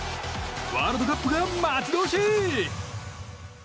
ワールドカップが待ち遠しい。